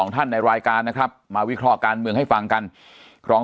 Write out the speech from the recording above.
ท่านในรายการนะครับมาวิเคราะห์การเมืองให้ฟังกันครอง